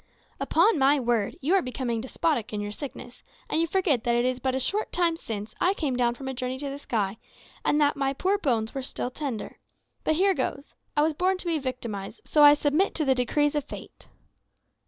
"Upon my word, you are becoming despotic in your sickness, and you forget that it is but a short time since I came down from a journey to the sky, and that my poor bones are still tender. But here goes. I was born to be victimised, so I submit to the decrees of Fate."